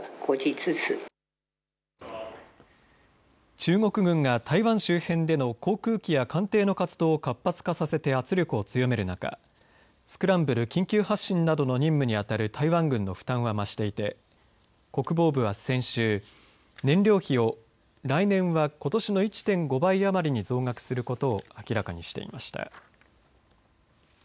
中国軍が台湾周辺での航空機や艦艇の活動を活発化させて圧力を強める中スクランブル、緊急発進などの任務に当たる台湾軍の負担は増していて国防部は先週燃料費を、来年はことしの１．５倍余りに増額することを明らかにしていました。